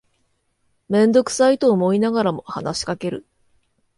めんどくさいと思いながらも話しかける